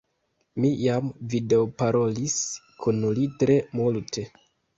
Mi jam videoparolis kun li tre multe.